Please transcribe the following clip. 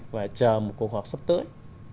và chờ một cuộc họp sắp tới